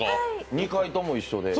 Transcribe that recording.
２回とも一緒で。